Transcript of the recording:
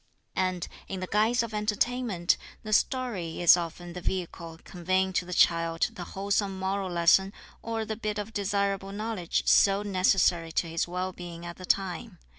And, in the guise of entertainment, the story is often the vehicle conveying to the child the wholesome moral lesson or the bit of desirable knowledge so necessary to his well being at the time.